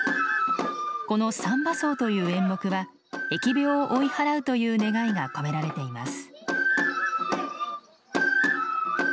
この「三番叟」という演目は疫病を追い払うという願いが込められています。